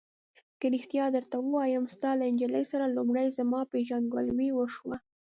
که رښتیا درته ووایم، ستا له نجلۍ سره لومړی زما پېژندګلوي وشوه.